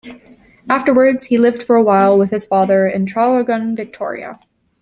Afterwards he lived for a while with his father in Traralgon, Victoria.